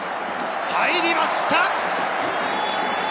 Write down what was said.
入りました！